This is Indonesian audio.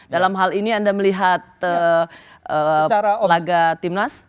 dalam hal ini anda melihat laga timnas